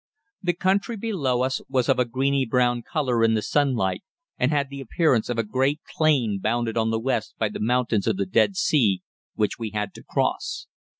The country below us was of a greeny brown color in the sunlight, and had the appearance of a great plain bounded on the west by the mountains of the Dead Sea, which we had to cross.